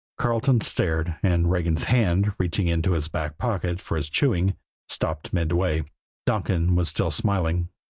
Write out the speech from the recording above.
Carleton stared; and Regan's hand, reaching into his back pocket for his chewing, stopped midway. Donkin was still smiling.